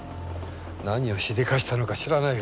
何をしでかしたのか知らないが